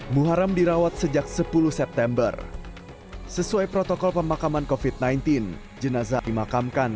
muharam dirawat sejak sepuluh september sesuai protokol pemakaman covid sembilan belas jenazah dimakamkan